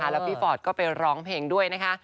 แล้วพี่ฟอร์ดก็ไปร้องเพลงด้วยนะคะ